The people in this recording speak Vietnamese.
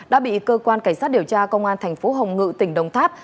đã bị cơ quan cảnh sát điều tra công an tp hồng ngự tỉnh đồng tháp